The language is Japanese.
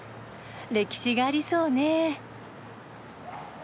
歴史がありそうね。